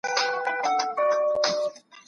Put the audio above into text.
ایا ځايي کروندګر تور ممیز اخلي؟